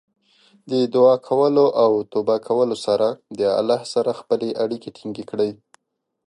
د دعا کولو او توبه کولو سره د الله سره خپلې اړیکې ټینګې کړئ.